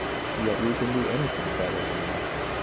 Yet we can do anything better than that.